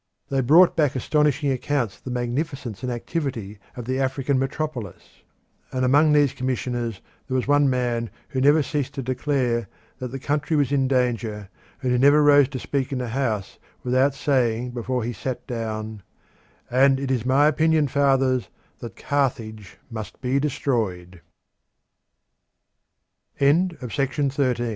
They brought back astonishing accounts of the magnificence and activity of the African metropolis; and among these commissioners there was one man who never ceased to declare that the country was in danger, and who never rose to speak in the House without saying before he sat down: "And it is my opinion, fathers, that Carthage must be destroyed." Cato the cens